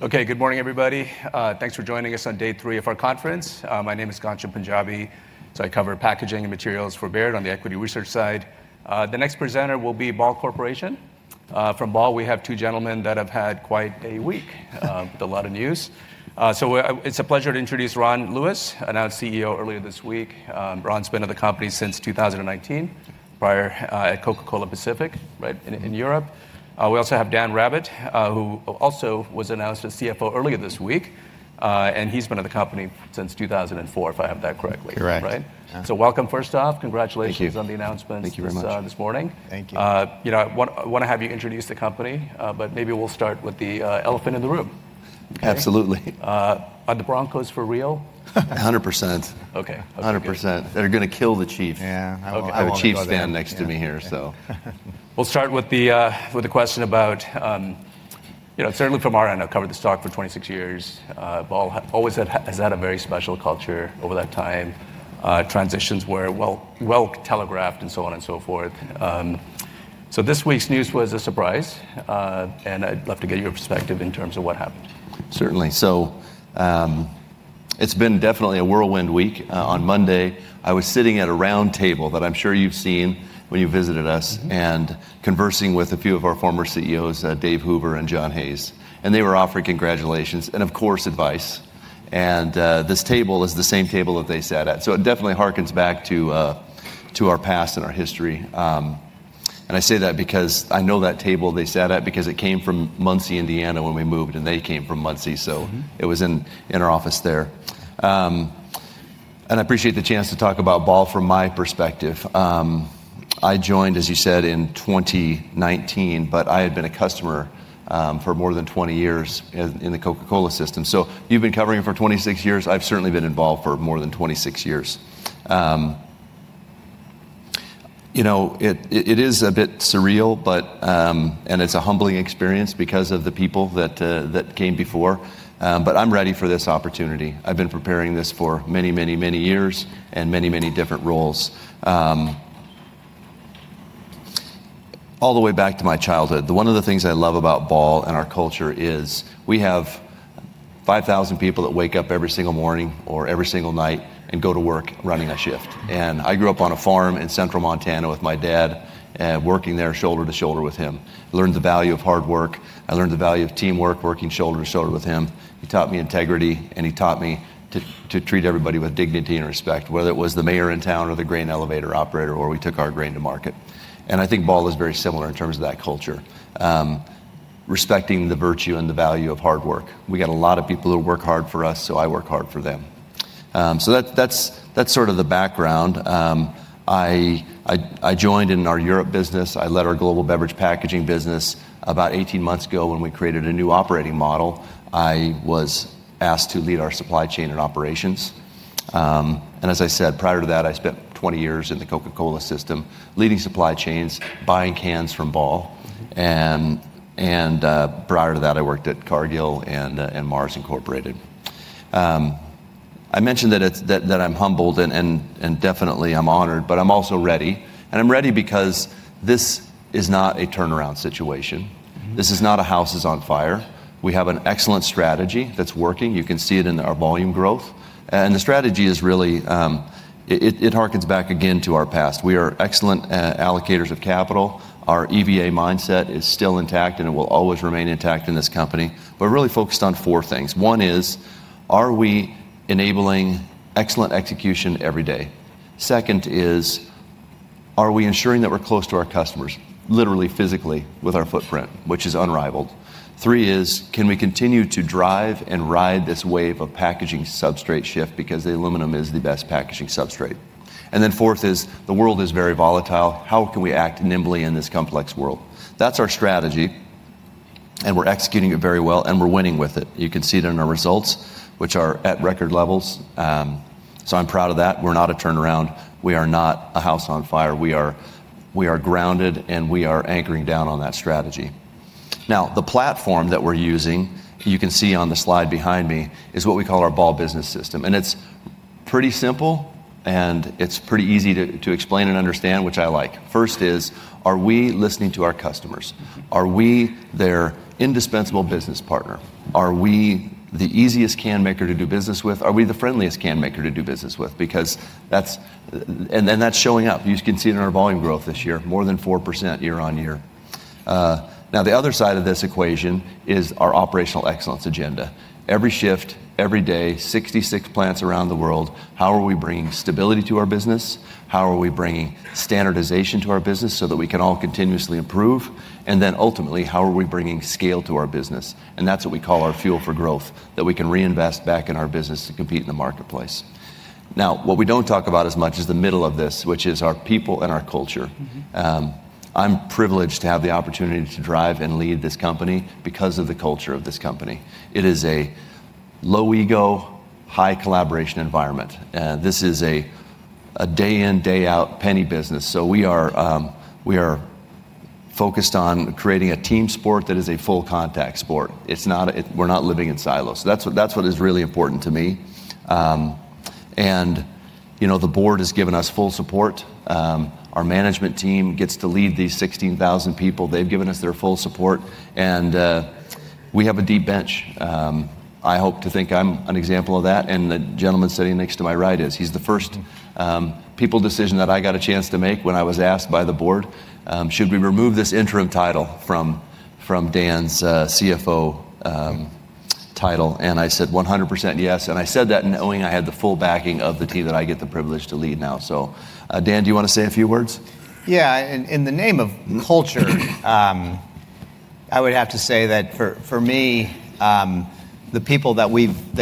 Okay, good morning, everybody. Thanks for joining us on day three of our conference. My name is Ganeshan Panjabi. I cover packaging and materials for Baird on the equity research side. The next presenter will be Ball Corporation. From Ball, we have two gentlemen that have had quite a week with a lot of news. It's a pleasure to introduce Ron Lewis, announced CEO earlier this week. Ron's been at the company since 2019, prior at Coca-Cola Pacific in Europe. We also have Dan Rabbitt, who also was announced as CFO earlier this week. He's been at the company since 2004, if I have that correctly. Correct. Welcome first off. Congratulations on the announcements this morning. Thank you. I want to have you introduce the company, but maybe we'll start with the elephant in the room. Absolutely. Are the Broncos for real? 100%. Okay. 100%. They're going to kill the Chiefs. Yeah. I have a Chiefs fan next to me here, so. We'll start with the question about, certainly from our end, I've covered the stock for 26 years. Ball has had a very special culture over that time. Transitions were well telegraphed and so on and so forth. This week's news was a surprise. I'd love to get your perspective in terms of what happened. Certainly. It has been definitely a whirlwind week. On Monday, I was sitting at a round table that I am sure you have seen when you visited us and conversing with a few of our former CEOs, Dave Hoover and John Hayes. They were offering congratulations and, of course, advice. This table is the same table that they sat at. It definitely harkens back to our past and our history. I say that because I know that table they sat at because it came from Muncie, Indiana, when we moved, and they came from Muncie. It was in our office there. I appreciate the chance to talk about Ball from my perspective. I joined, as you said, in 2019, but I had been a customer for more than 20 years in the Coca-Cola system. You have been covering it for 26 years. I've certainly been involved for more than 26 years. It is a bit surreal, and it's a humbling experience because of the people that came before. I am ready for this opportunity. I've been preparing for this for many, many, many years and many, many different roles. All the way back to my childhood, one of the things I love about Ball and our culture is we have 5,000 people that wake up every single morning or every single night and go to work running a shift. I grew up on a farm in Central Montana with my dad, working there shoulder to shoulder with him. I learned the value of hard work. I learned the value of teamwork, working shoulder to shoulder with him. He taught me integrity, and he taught me to treat everybody with dignity and respect, whether it was the mayor in town or the grain elevator operator, or we took our grain to market. I think Ball is very similar in terms of that culture, respecting the virtue and the value of hard work. We got a lot of people who work hard for us, so I work hard for them. That's sort of the background. I joined in our Europe business. I led our global beverage packaging business about 18 months ago when we created a new operating model. I was asked to lead our supply chain and operations. As I said, prior to that, I spent 20 years in the Coca-Cola system leading supply chains, buying cans from Ball. Prior to that, I worked at Cargill and Mars Incorporated. I mentioned that I'm humbled and definitely I'm honored, but I'm also ready. I'm ready because this is not a turnaround situation. This is not a house is on fire. We have an excellent strategy that's working. You can see it in our volume growth. The strategy is really it harkens back again to our past. We are excellent allocators of capital. Our EVA mindset is still intact, and it will always remain intact in this company. We're really focused on four things. One is, are we enabling excellent execution every day? Second is, are we ensuring that we're close to our customers, literally, physically, with our footprint, which is unrivaled? Three is, can we continue to drive and ride this wave of packaging substrate shift because the aluminum is the best packaging substrate? Fourth is, the world is very volatile. How can we act nimbly in this complex world? That is our strategy, and we are executing it very well, and we are winning with it. You can see it in our results, which are at record levels. I am proud of that. We are not a turnaround. We are not a house on fire. We are grounded, and we are anchoring down on that strategy. Now, the platform that we are using, you can see on the slide behind me, is what we call our Ball Business System. It is pretty simple, and it is pretty easy to explain and understand, which I like. First is, are we listening to our customers? Are we their indispensable business partner? Are we the easiest can maker to do business with? Are we the friendliest can maker to do business with? That is showing up. You can see it in our volume growth this year, more than 4% year on year. Now, the other side of this equation is our operational excellence agenda. Every shift, every day, 66 plants around the world, how are we bringing stability to our business? How are we bringing standardization to our business so that we can all continuously improve? Ultimately, how are we bringing scale to our business? That is what we call our fuel for growth, that we can reinvest back in our business to compete in the marketplace. What we do not talk about as much is the middle of this, which is our people and our culture. I am privileged to have the opportunity to drive and lead this company because of the culture of this company. It is a low ego, high collaboration environment. This is a day in, day out, penny business. We are focused on creating a team sport that is a full-contact sport. We're not living in silos. That is what is really important to me. The board has given us full support. Our management team gets to lead these 16,000 people. They have given us their full support. We have a deep bench. I hope to think I am an example of that. The gentleman sitting next to my right is the first people decision that I got a chance to make when I was asked by the board, should we remove this interim title from Dan's CFO title? I said 100% yes. I said that knowing I had the full backing of the team that I get the privilege to lead now. Dan, do you want to say a few words? Yeah. In the name of culture, I would have to say that for me, the people that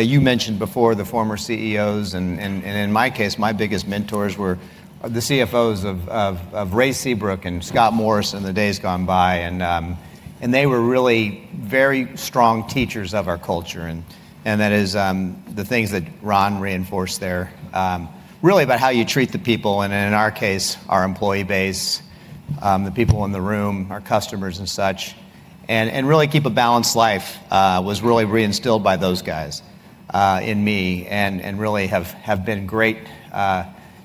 you mentioned before, the former CEOs, and in my case, my biggest mentors were the CFOs of Ray Seabrook and Scott Morrison, the days gone by. They were really very strong teachers of our culture. That is the things that Ron reinforced there, really about how you treat the people, and in our case, our employee base, the people in the room, our customers and such. Really, keep a balanced life was really reinstilled by those guys in me and really have been great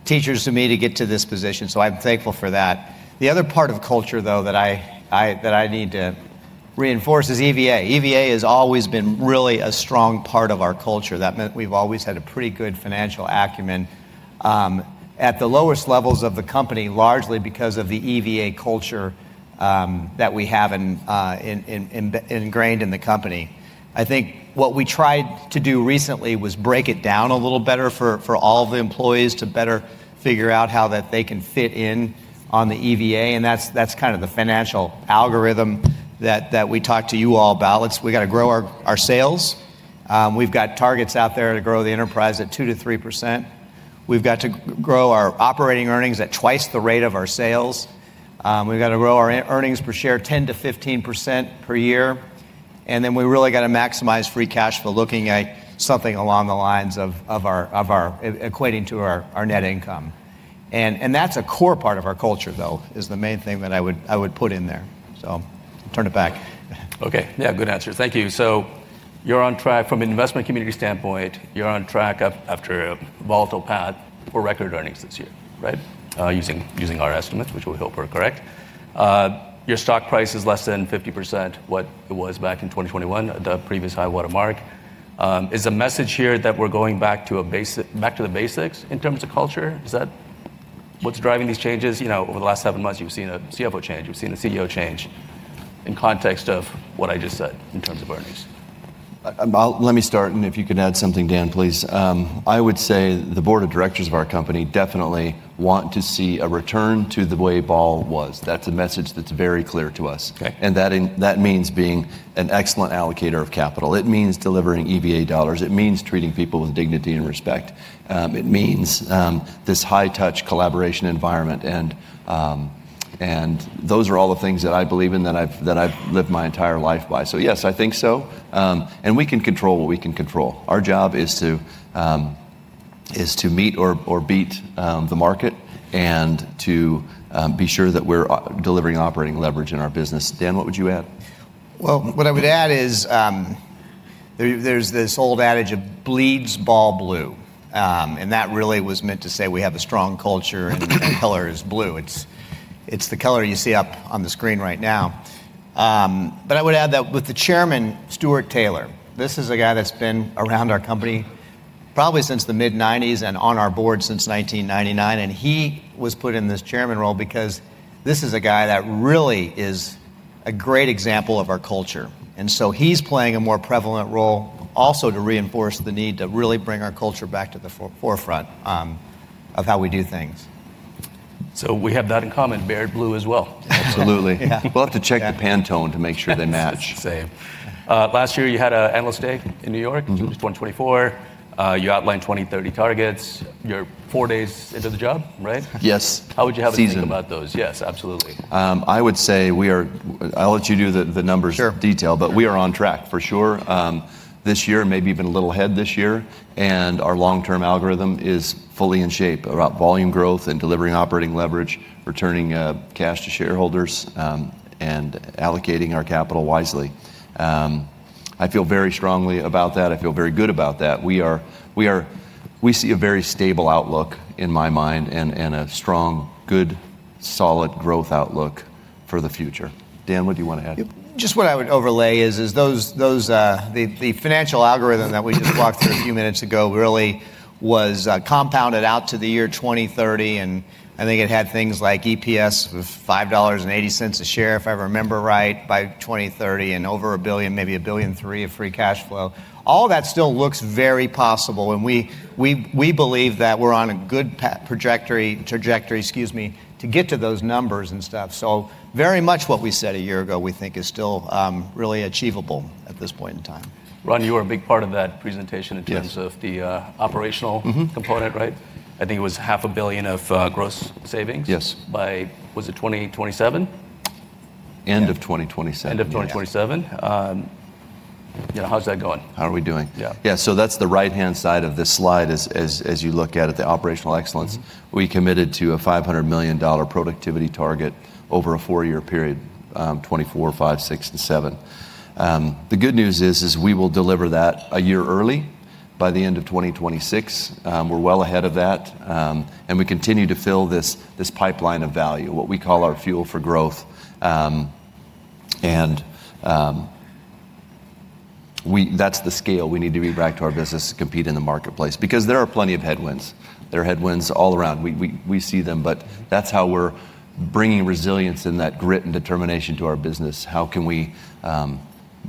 teachers to me to get to this position. I am thankful for that. The other part of culture, though, that I need to reinforce is EVA. EVA has always been really a strong part of our culture. That meant we've always had a pretty good financial acumen at the lowest levels of the company, largely because of the EVA culture that we have ingrained in the company. I think what we tried to do recently was break it down a little better for all of the employees to better figure out how they can fit in on the EVA. And that's kind of the financial algorithm that we talked to you all about. We got to grow our sales. We've got targets out there to grow the enterprise at 2%-3%. We've got to grow our operating earnings at twice the rate of our sales. We've got to grow our earnings per share 10%-15% per year. And then we really got to maximize free cash flow, looking at something along the lines of equating to our net income. That's a core part of our culture, though, is the main thing that I would put in there. Turn it back. Okay. Yeah, good answer. Thank you. You are on track from an investment community standpoint, you are on track after a volatile path for record earnings this year, right? Using our estimates, which we hope are correct. Your stock price is less than 50% what it was back in 2021, the previous high watermark. Is the message here that we are going back to the basics in terms of culture? What is driving these changes? Over the last seven months, you have seen a CFO change. You have seen a CEO change in context of what I just said in terms of earnings. Let me start, and if you could add something, Dan, please. I would say the board of directors of our company definitely want to see a return to the way Ball was. That is a message that is very clear to us. That means being an excellent allocator of capital. It means delivering EVA dollars. It means treating people with dignity and respect. It means this high-touch collaboration environment. Those are all the things that I believe in that I have lived my entire life by. Yes, I think so. We can control what we can control. Our job is to meet or beat the market and to be sure that we are delivering operating leverage in our business. Dan, what would you add? What I would add is there's this old adage of bleeds Ball blue. That really was meant to say we have a strong culture and the color is blue. It's the color you see up on the screen right now. I would add that with the Chairman, Stuart Taylor, this is a guy that's been around our company probably since the mid-1990s and on our board since 1999. He was put in this Chairman role because this is a guy that really is a great example of our culture. He is playing a more prevalent role also to reinforce the need to really bring our culture back to the forefront of how we do things. We have that in common, Baird Blue as well. Absolutely. We'll have to check the Pantone to make sure they match. Same. Last year, you had an annual stay in New York, 2024. You outlined 2030 targets. You're four days into the job, right? Yes. How would you have a feeling about those? Season. Yes, absolutely. I would say we are, I'll let you do the numbers detail, but we are on track for sure this year, maybe even a little ahead this year. Our long-term algorithm is fully in shape about volume growth and delivering operating leverage, returning cash to shareholders, and allocating our capital wisely. I feel very strongly about that. I feel very good about that. We see a very stable outlook in my mind and a strong, good, solid growth outlook for the future. Dan, what do you want to add? Just what I would overlay is the financial algorithm that we just walked through a few minutes ago really was compounded out to the year 2030. I think it had things like EPS of $5.80 a share, if I remember right, by 2030, and over $1 billion, maybe $1.3 billion of free cash flow. All that still looks very possible. We believe that we are on a good trajectory to get to those numbers and stuff. Very much what we said a year ago, we think, is still really achievable at this point in time. Ron, you were a big part of that presentation in terms of the operational component, right? I think it was $500 million of gross savings by, was it 2027? End of 2027. End of 2027? How's that going? How are we doing? Yeah. So that's the right-hand side of this slide as you look at it, the operational excellence. We committed to a $500 million productivity target over a four-year period, 2024, 2025, 2026, and 2027. The good news is we will deliver that a year early by the end of 2026. We're well ahead of that. We continue to fill this pipeline of value, what we call our fuel for growth. And that's the scale we need to be back to our business to compete in the marketplace because there are plenty of headwinds. There are headwinds all around. We see them, but that's how we're bringing resilience and that grit and determination to our business. How can we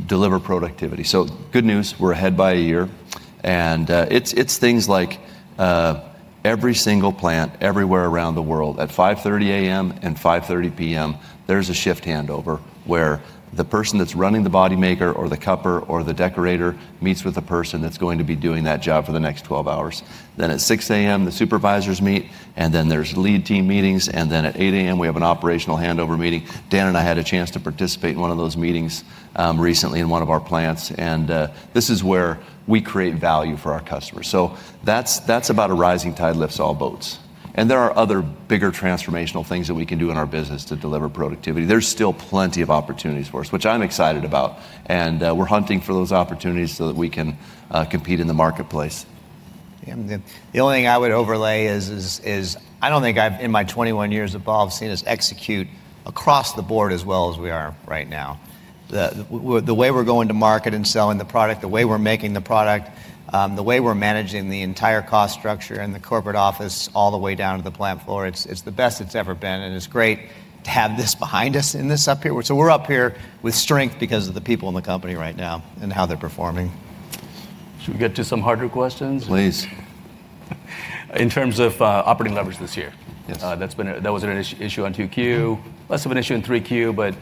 deliver productivity? So good news, we're ahead by a year. And it's things like every single plant everywhere around the world at 5:30 A.M. At 5:30 P.M., there's a shift handover where the person that's running the body maker or the copper or the decorator meets with the person that's going to be doing that job for the next 12 hours. At 6:00 A.M., the supervisors meet, and then there are lead team meetings. At 8:00 A.M., we have an operational handover meeting. Dan and I had a chance to participate in one of those meetings recently in one of our plants. This is where we create value for our customers. That is about a rising tide lifts all boats. There are other bigger transformational things that we can do in our business to deliver productivity. There are still plenty of opportunities for us, which I'm excited about. We are hunting for those opportunities so that we can compete in the marketplace. The only thing I would overlay is I don't think I've in my 21 years at Ball, I've seen us execute across the board as well as we are right now. The way we're going to market and selling the product, the way we're making the product, the way we're managing the entire cost structure and the corporate office all the way down to the plant floor, it's the best it's ever been. It's great to have this behind us in this up here. We're up here with strength because of the people in the company right now and how they're performing. Should we get to some harder questions? Please. In terms of operating leverage this year, that was an issue on 2Q. Less of an issue in 3Q, but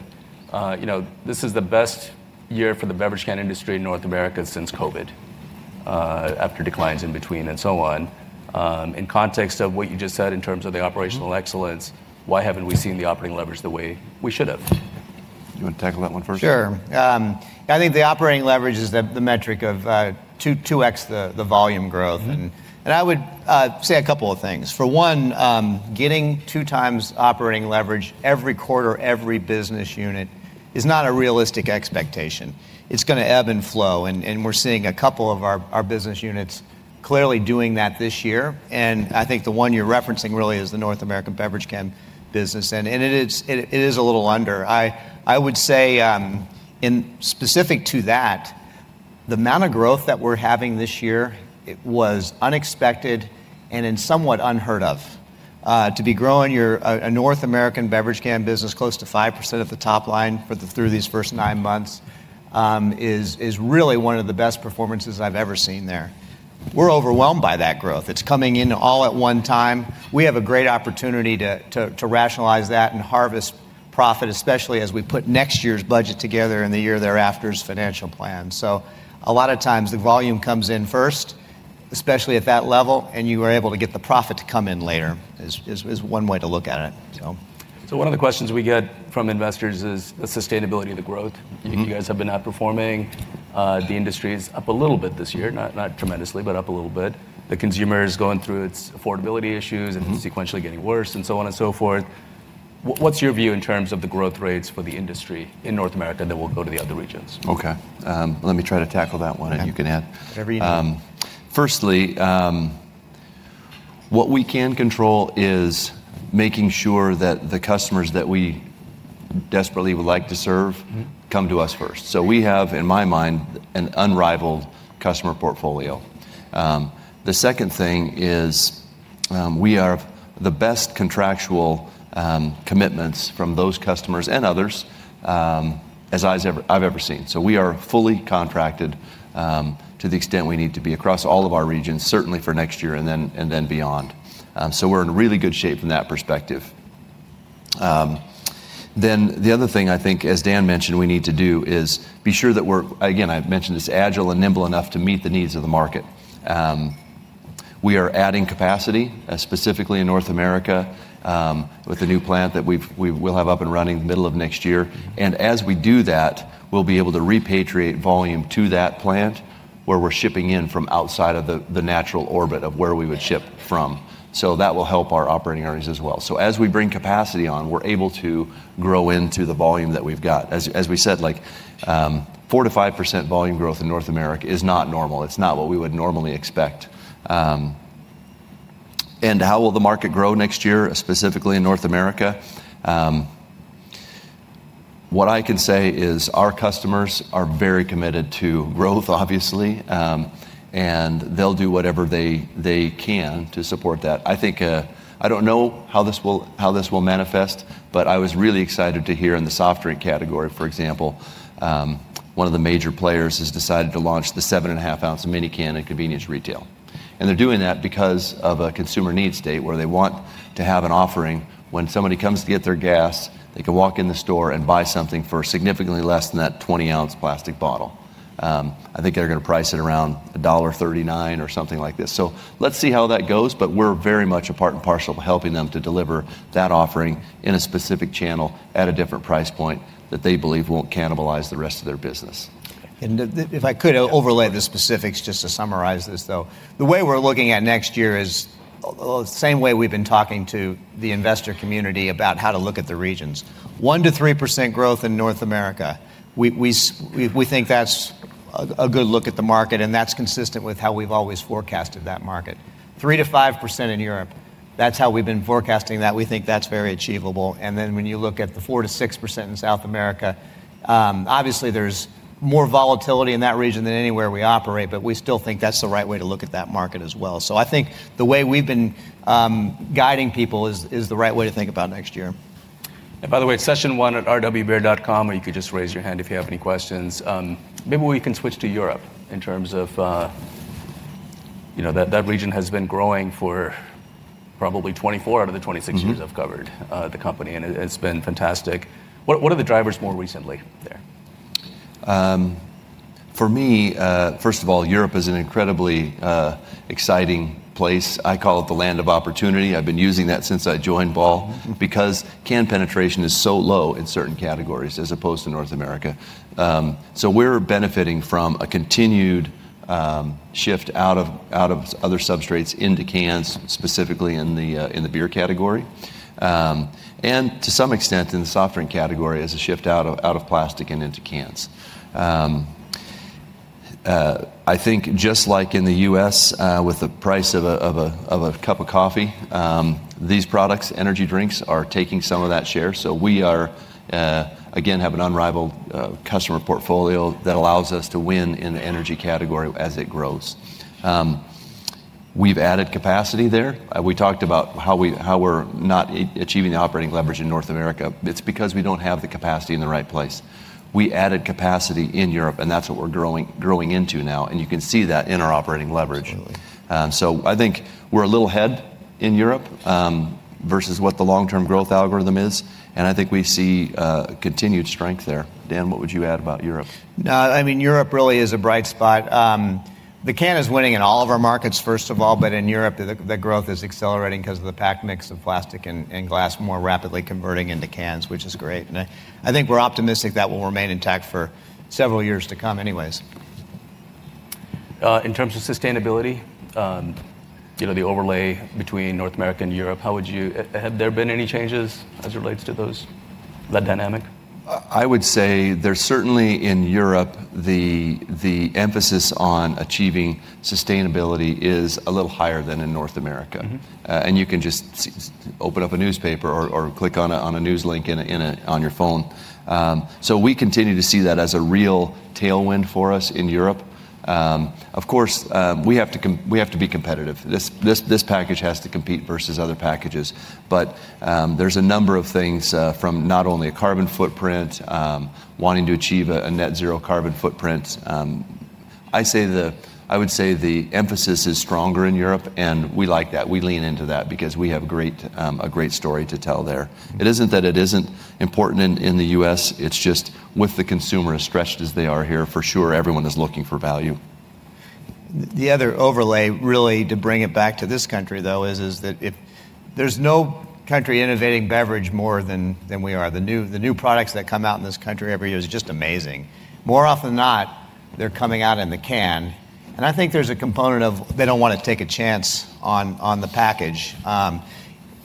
this is the best year for the beverage can industry in North America since COVID after declines in between and so on. In context of what you just said in terms of the operational excellence, why haven't we seen the operating leverage the way we should have? Do you want to tackle that one first? Sure. I think the operating leverage is the metric of 2X the volume growth. I would say a couple of things. For one, getting two times operating leverage every quarter, every business unit is not a realistic expectation. It is going to ebb and flow. We are seeing a couple of our business units clearly doing that this year. I think the one you are referencing really is the North American beverage can business. It is a little under. I would say specific to that, the amount of growth that we are having this year was unexpected and somewhat unheard of. To be growing a North American beverage can business close to 5% of the top line through these first nine months is really one of the best performances I have ever seen there. We are overwhelmed by that growth. It is coming in all at one time. We have a great opportunity to rationalize that and harvest profit, especially as we put next year's budget together and the year thereafter's financial plan. A lot of times the volume comes in first, especially at that level, and you are able to get the profit to come in later is one way to look at it. One of the questions we get from investors is the sustainability of the growth. You guys have been outperforming. The industry is up a little bit this year, not tremendously, but up a little bit. The consumer is going through its affordability issues and sequentially getting worse and so on and so forth. What's your view in terms of the growth rates for the industry in North America that will go to the other regions? Okay. Let me try to tackle that one and you can add. Firstly, what we can control is making sure that the customers that we desperately would like to serve come to us first. We have, in my mind, an unrivaled customer portfolio. The second thing is we have the best contractual commitments from those customers and others as I have ever seen. We are fully contracted to the extent we need to be across all of our regions, certainly for next year and then beyond. We are in really good shape from that perspective. The other thing I think, as Dan mentioned, we need to do is be sure that we are, again, I mentioned it is agile and nimble enough to meet the needs of the market. We are adding capacity, specifically in North America, with a new plant that we will have up and running middle of next year. As we do that, we will be able to repatriate volume to that plant where we are shipping in from outside of the natural orbit of where we would ship from. That will help our operating earnings as well. As we bring capacity on, we are able to grow into the volume that we have got. As we said, 4%-5% volume growth in North America is not normal. It is not what we would normally expect. How will the market grow next year, specifically in North America? What I can say is our customers are very committed to growth, obviously, and they will do whatever they can to support that. I don't know how this will manifest, but I was really excited to hear in the soft drink category, for example, one of the major players has decided to launch the 7.5-ounce mini can in convenience retail. They are doing that because of a consumer needs state where they want to have an offering when somebody comes to get their gas, they can walk in the store and buy something for significantly less than that 20-ounce plastic bottle. I think they are going to price it around $1.39 or something like this. Let's see how that goes, but we are very much a part and parcel of helping them to deliver that offering in a specific channel at a different price point that they believe will not cannibalize the rest of their business. If I could overlay the specifics just to summarize this, though, the way we're looking at next year is the same way we've been talking to the investor community about how to look at the regions. 1%-3% growth in North America, we think that's a good look at the market, and that's consistent with how we've always forecasted that market. 3%-5% in Europe, that's how we've been forecasting that. We think that's very achievable. When you look at the 4%-6% in South America, obviously there's more volatility in that region than anywhere we operate, but we still think that's the right way to look at that market as well. I think the way we've been guiding people is the right way to think about next year. By the way, it's session1@rwbeer.com, or you could just raise your hand if you have any questions. Maybe we can switch to Europe in terms of that region has been growing for probably 24 out of the 26 years I've covered the company, and it's been fantastic. What are the drivers more recently there? For me, first of all, Europe is an incredibly exciting place. I call it the land of opportunity. I've been using that since I joined Ball because can penetration is so low in certain categories as opposed to North America. We are benefiting from a continued shift out of other substrates into cans, specifically in the beer category, and to some extent in the soft drink category as a shift out of plastic and into cans. I think just like in the U.S. with the price of a cup of coffee, these products, energy drinks, are taking some of that share. We are, again, have an unrivaled customer portfolio that allows us to win in the energy category as it grows. We've added capacity there. We talked about how we're not achieving the operating leverage in North America. It's because we don't have the capacity in the right place. We added capacity in Europe, and that is what we are growing into now. You can see that in our operating leverage. I think we are a little ahead in Europe versus what the long-term growth algorithm is. I think we see continued strength there. Dan, what would you add about Europe? I mean, Europe really is a bright spot. The can is winning in all of our markets, first of all, but in Europe, the growth is accelerating because of the pack mix of plastic and glass more rapidly converting into cans, which is great. I think we're optimistic that will remain intact for several years to come anyways. In terms of sustainability, the overlay between North America and Europe, have there been any changes as it relates to that dynamic? I would say there's certainly in Europe, the emphasis on achieving sustainability is a little higher than in North America. You can just open up a newspaper or click on a news link on your phone. We continue to see that as a real tailwind for us in Europe. Of course, we have to be competitive. This package has to compete versus other packages. There's a number of things from not only a carbon footprint, wanting to achieve a net zero carbon footprint. I would say the emphasis is stronger in Europe, and we like that. We lean into that because we have a great story to tell there. It isn't that it isn't important in the U.S. It's just with the consumer as stretched as they are here, for sure, everyone is looking for value. The other overlay, really, to bring it back to this country, though, is that there's no country innovating beverage more than we are. The new products that come out in this country every year is just amazing. More often than not, they're coming out in the can. I think there's a component of they don't want to take a chance on the package from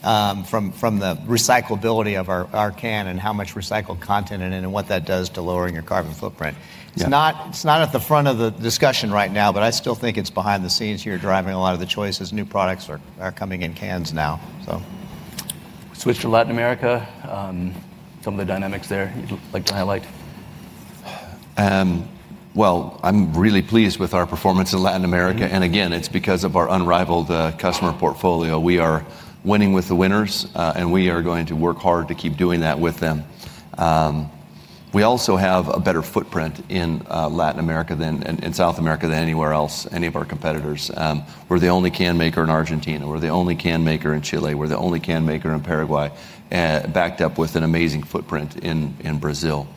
the recyclability of our can and how much recycled content and what that does to lowering your carbon footprint. It's not at the front of the discussion right now, but I still think it's behind the scenes here driving a lot of the choices. New products are coming in cans now. Switch to Latin America. Some of the dynamics there you'd like to highlight? I am really pleased with our performance in Latin America. Again, it is because of our unrivaled customer portfolio. We are winning with the winners, and we are going to work hard to keep doing that with them. We also have a better footprint in Latin America and South America than anywhere else, any of our competitors. We are the only can maker in Argentina. We are the only can maker in Chile. We are the only can maker in Paraguay, backed up with an amazing footprint in Brazil.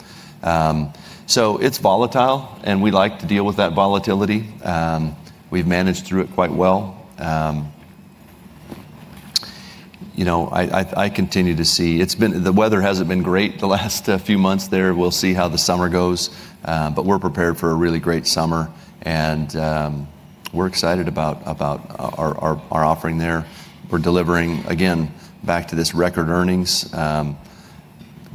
It is volatile, and we like to deal with that volatility. We have managed through it quite well. I continue to see the weather has not been great the last few months there. We will see how the summer goes, but we are prepared for a really great summer. We are excited about our offering there. We are delivering, again, back to this record earnings.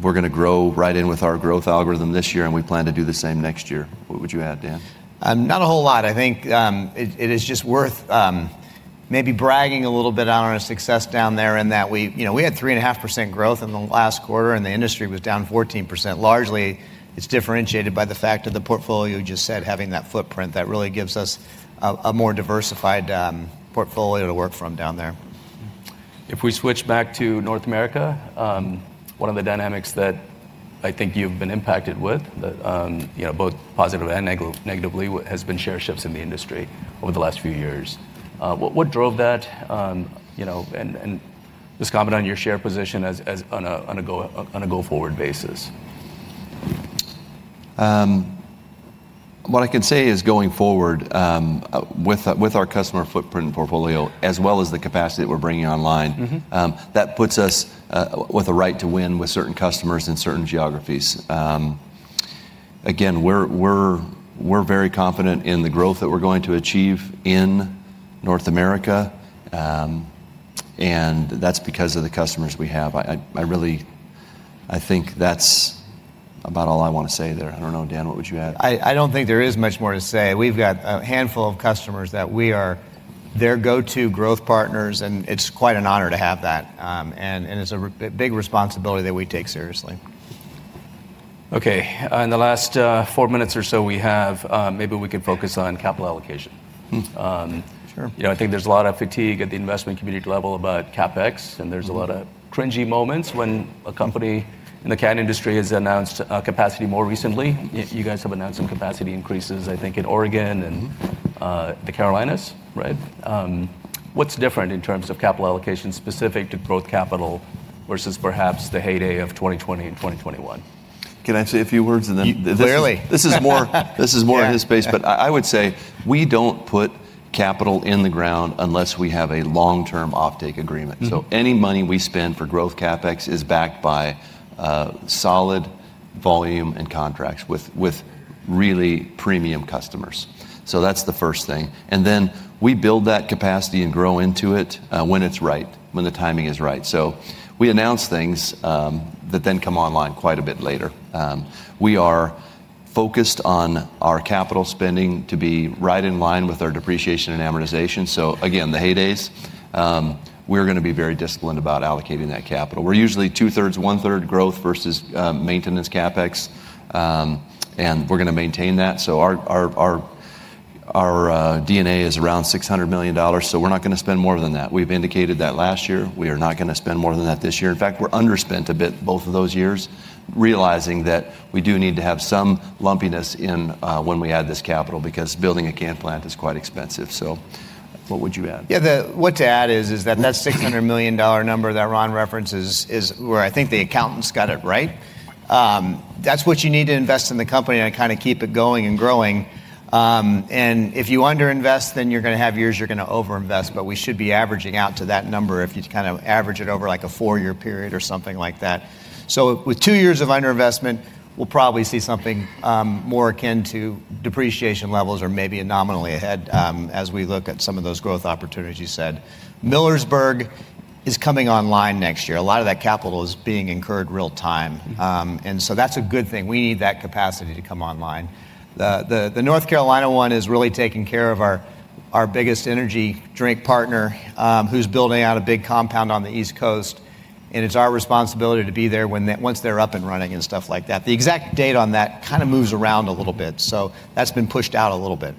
We're going to grow right in with our growth algorithm this year, and we plan to do the same next year. What would you add, Dan? Not a whole lot. I think it is just worth maybe bragging a little bit on our success down there in that we had 3.5% growth in the last quarter, and the industry was down 14%. Largely, it's differentiated by the fact of the portfolio you just said, having that footprint that really gives us a more diversified portfolio to work from down there. If we switch back to North America, one of the dynamics that I think you've been impacted with, both positively and negatively, has been share shifts in the industry over the last few years. What drove that and just comment on your share position on a go-forward basis? What I can say is going forward with our customer footprint and portfolio, as well as the capacity that we're bringing online, that puts us with a right to win with certain customers in certain geographies. Again, we're very confident in the growth that we're going to achieve in North America, and that's because of the customers we have. I think that's about all I want to say there. I don't know, Dan, what would you add? I do not think there is much more to say. We have got a handful of customers that we are their go-to growth partners, and it is quite an honor to have that. It is a big responsibility that we take seriously. Okay. In the last four minutes or so we have, maybe we could focus on capital allocation. I think there's a lot of fatigue at the investment community level about CapEx, and there's a lot of cringey moments when a company in the can industry has announced capacity more recently. You guys have announced some capacity increases, I think, in Oregon and the Carolinas, right? What's different in terms of capital allocation specific to growth capital versus perhaps the heyday of 2020 and 2021? Can I say a few words? Clearly. This is more his space, but I would say we don't put capital in the ground unless we have a long-term offtake agreement. Any money we spend for growth CapEx is backed by solid volume and contracts with really premium customers. That's the first thing. We build that capacity and grow into it when it's right, when the timing is right. We announce things that then come online quite a bit later. We are focused on our capital spending to be right in line with our depreciation and amortization. Again, the heydays, we're going to be very disciplined about allocating that capital. We're usually two-thirds, one-third growth versus maintenance CapEx, and we're going to maintain that. Our DNA is around $600 million, so we're not going to spend more than that. We've indicated that last year. We are not going to spend more than that this year. In fact, we're underspent a bit both of those years, realizing that we do need to have some lumpiness when we add this capital because building a can plant is quite expensive. So what would you add? Yeah, what to add is that that $600 million number that Ron references is where I think the accountants got it right. That's what you need to invest in the company and kind of keep it going and growing. If you underinvest, then you're going to have years you're going to overinvest, but we should be averaging out to that number if you kind of average it over like a four-year period or something like that. With two years of underinvestment, we'll probably see something more akin to depreciation levels or maybe a nominal ahead as we look at some of those growth opportunities you said. Millersburg is coming online next year. A lot of that capital is being incurred real-time. That's a good thing. We need that capacity to come online. The North Carolina one is really taking care of our biggest energy drink partner who's building out a big compound on the East Coast. It is our responsibility to be there once they're up and running and stuff like that. The exact date on that kind of moves around a little bit. That has been pushed out a little bit.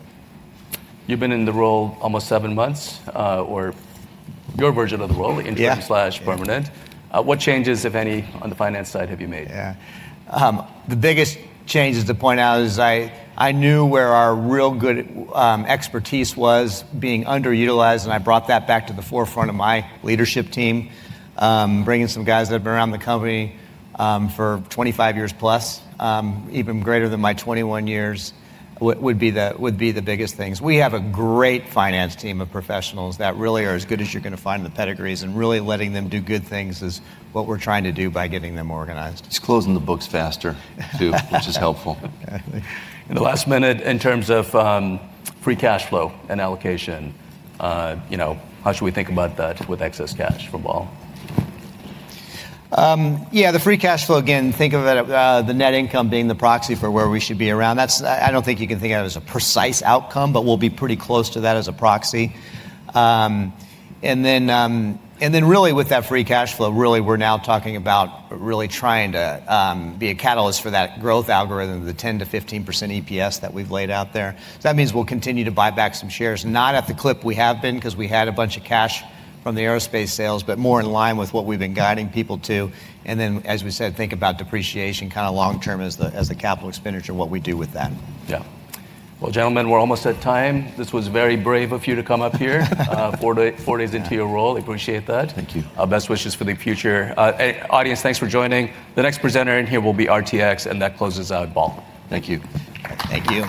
You've been in the role almost seven months or your version of the role in terms permanent. What changes, if any, on the finance side have you made? Yeah. The biggest changes to point out is I knew where our real good expertise was being underutilized, and I brought that back to the forefront of my leadership team, bringing some guys that have been around the company for 25 years plus, even greater than my 21 years, would be the biggest things. We have a great finance team of professionals that really are as good as you're going to find in the pedigrees, and really letting them do good things is what we're trying to do by getting them organized. It's closing the books faster, too, which is helpful. In the last minute, in terms of free cash flow and allocation, how should we think about that with excess cash for Ball? Yeah, the free cash flow, again, think of the net income being the proxy for where we should be around. I do not think you can think of it as a precise outcome, but we will be pretty close to that as a proxy. Then really with that free cash flow, really we are now talking about really trying to be a catalyst for that growth algorithm, the 10%-15% EPS that we have laid out there. That means we will continue to buy back some shares, not at the clip we have been because we had a bunch of cash from the aerospace sales, but more in line with what we have been guiding people to. Then, as we said, think about depreciation kind of long-term as a capital expenditure, what we do with that. Yeah. Gentlemen, we're almost at time. This was very brave of you to come up here four days into your role. Appreciate that. Thank you. Best wishes for the future. Audience, thanks for joining. The next presenter in here will be RTX, and that closes out Ball. Thank you. Thank you.